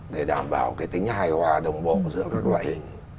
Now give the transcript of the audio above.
để đảm bảo cái tính hài hòa đồng bộ giữa các loại hình